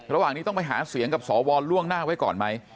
ระหว่างนี้ต้องไปหาเสียงกับสวล่วงหน้าไว้ก่อนไหม